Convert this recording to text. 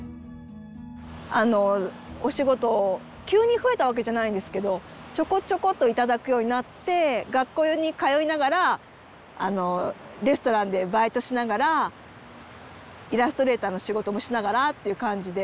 あのお仕事急に増えたわけじゃないんですけどちょこちょこと頂くようになって学校に通いながらレストランでバイトしながらイラストレーターの仕事もしながらっていう感じで。